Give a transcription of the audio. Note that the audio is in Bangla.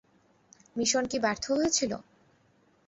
মিশন কি ব্যর্থ হয়েছিলো?